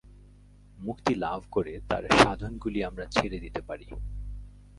মুক্তি লাভ করে তার সাধনগুলি আমরা ছেড়ে দিতে পারি।